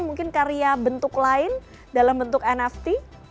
mungkin karya bentuk lain dalam bentuk nft